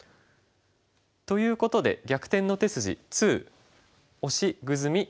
ということで「逆転の手筋２」。